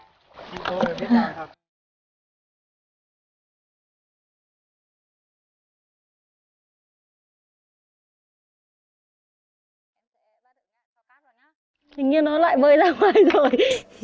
tình như nó lại bơi ra ngoài rồi